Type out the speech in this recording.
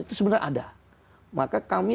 itu sebenarnya ada maka kami